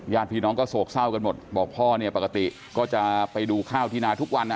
พี่น้องก็โศกเศร้ากันหมดบอกพ่อเนี่ยปกติก็จะไปดูข้าวที่นาทุกวันนะ